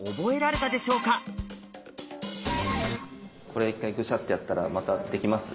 これ一回グシャッとやったらまたできます？